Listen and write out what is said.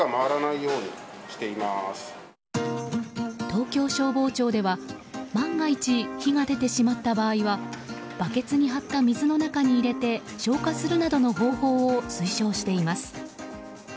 東京消防庁では万が一、火が出てしまった場合はバケツに張った水の中に入れて消火するなどの方法を推奨しています。